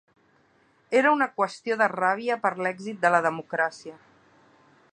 Era una qüestió de ràbia per l’èxit de la democràcia.